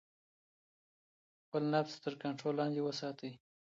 خپل نفس تر کنټرول لاندې وساتئ.